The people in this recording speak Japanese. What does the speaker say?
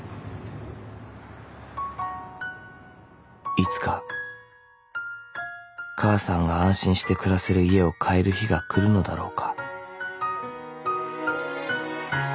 ［いつか母さんが安心して暮らせる家を買える日が来るのだろうか］